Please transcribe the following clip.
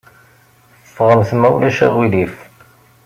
Ffɣemt, ma ulac aɣilif.